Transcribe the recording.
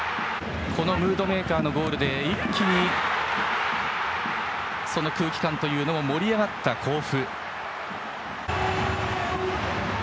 このムードメーカーのゴールで一気に空気感というものも盛り上がった甲府。